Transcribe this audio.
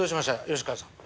吉川さん。